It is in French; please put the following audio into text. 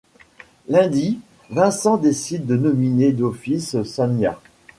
Lundi, Vincent décide de nominer d'office Sonja.